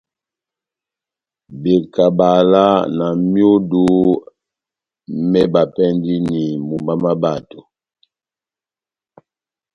Bekabala na myudu mébapɛndini mumba má bato.